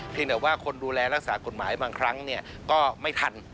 แต่ว่าคนดูแลรักษากฎหมายบางครั้งก็ไม่ทัน